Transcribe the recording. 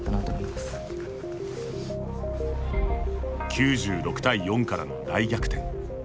９６対４からの大逆転。